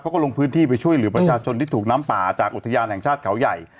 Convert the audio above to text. เขาก็ลงพื้นที่ไปช่วยเหลือประชาชนที่ถูกน้ำป่าจากอุทยานแห่งชาติเขาใหญ่